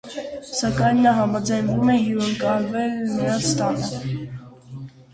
Սակայն նա համաձայնվում է հյուրընկալվել նրանց տանը։